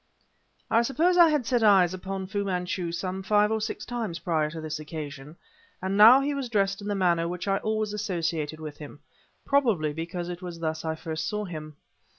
I suppose I had set eyes upon Fu Manchu some five or six times prior to this occasion, and now he was dressed in the manner which I always associated with him, probably because it was thus I first saw him.